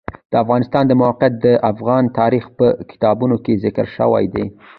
د افغانستان د موقعیت د افغان تاریخ په کتابونو کې ذکر شوی دي.